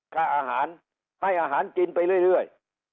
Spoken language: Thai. ค่าอาหารให้อาหารกินไปเรื่อย